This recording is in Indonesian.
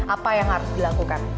apa yang harus dilakukan